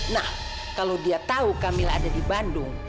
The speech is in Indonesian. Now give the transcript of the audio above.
nah kalau dia tahu kamil ada di bandung